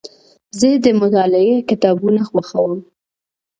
زه د مطالعې کتابونه خوښوم.